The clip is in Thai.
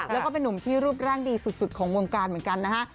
แล้วก็เป็นนุ่มที่รูปร่างดีสุดของวงการเหมือนกันนะฮะ